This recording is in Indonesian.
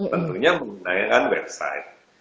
tentunya menggunakan website